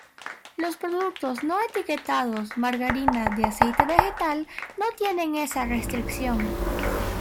Los productos no etiquetados "margarina de aceite vegetal" no tienen esa restricción.